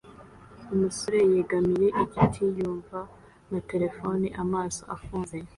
Umusore yegamiye igiti yumva na terefone amaso afunze